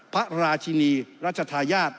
พระราชินีรัชธาญาติ